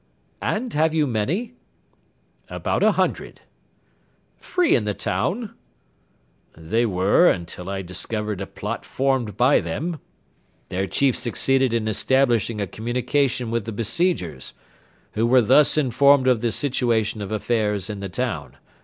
"And have you many?" "About a hundred." "Free in the town?" "They were until I discovered a plot formed by them: their chief succeeded in establishing a communication with the besiegers, who were thus informed of the situation of affairs in the town.